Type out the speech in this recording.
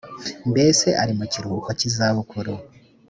mbese ari mu kiruhuko cy’iza bukuru